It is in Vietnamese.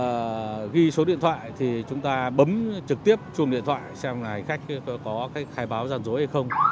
để trung thực điện thoại thì chúng ta bấm trực tiếp chuông điện thoại xem là khách có khai báo gian dối hay không